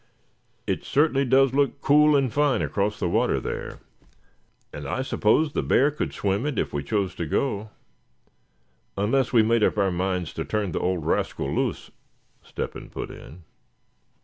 "It certainly does look cool and fine across the water there; and I suppose the bear could swim it if we chose to go; unless we made up our minds to turn the old rascal loose," Step hen put in.